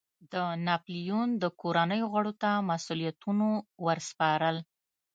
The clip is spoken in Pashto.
د ناپلیون د کورنیو غړو ته مسوولیتونو ور سپارل.